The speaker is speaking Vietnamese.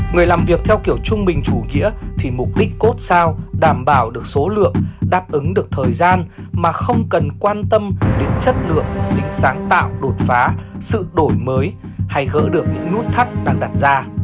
người làm việc theo kiểu trung bình chủ nghĩa thì mục đích cốt sao đảm bảo được số lượng đáp ứng được thời gian mà không cần quan tâm đến chất lượng tính sáng tạo đột phá sự đổi mới hay gỡ được những nút thắt đang đặt ra